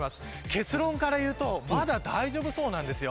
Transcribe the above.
結論から言うとまだ大丈夫そうなんです。